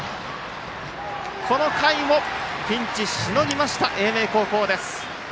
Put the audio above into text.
この回もピンチしのぎました英明高校です。